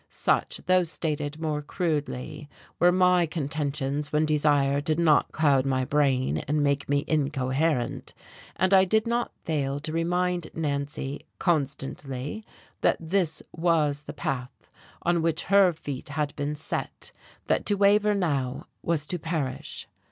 Such, though stated more crudely, were my contentions when desire did not cloud my brain and make me incoherent. And I did not fail to remind Nancy, constantly, that this was the path on which her feet had been set; that to waver now was to perish.